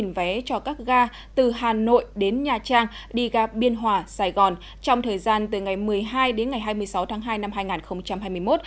sau tết sẽ còn khoảng năm mươi vé cho các ga từ hà nội đến nha trang đi ga biên hòa sài gòn trong thời gian từ ngày một mươi hai đến ngày hai mươi sáu tháng hai năm hai nghìn hai mươi một